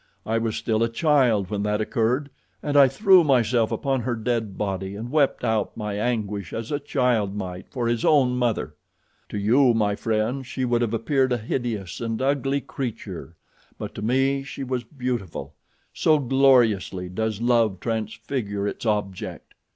I was still a child when that occurred, and I threw myself upon her dead body and wept out my anguish as a child might for his own mother. To you, my friend, she would have appeared a hideous and ugly creature, but to me she was beautiful—so gloriously does love transfigure its object.